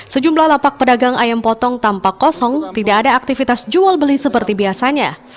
sejumlah lapak pedagang ayam potong tampak kosong tidak ada aktivitas jual beli seperti biasanya